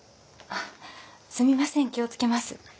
あっすみません気を付けます。